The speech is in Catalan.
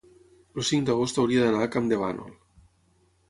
el cinc d'agost hauria d'anar a Campdevànol.